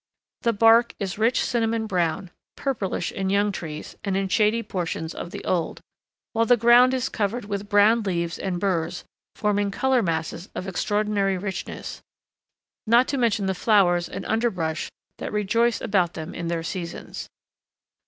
The bark is rich cinnamon brown, purplish in young trees and in shady portions of the old, while the ground is covered with brown leaves and burs forming color masses of extraordinary richness, not to mention the flowers and underbrush that rejoice about them in their seasons.